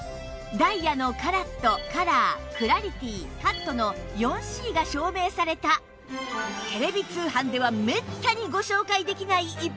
ダイヤのカラットカラークラリティカットの ４Ｃ が証明されたテレビ通販ではめったにご紹介できない逸品なんです